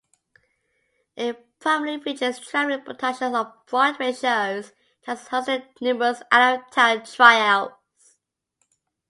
It primarily features traveling productions of Broadway shows and has hosted numerous out-of-town tryouts.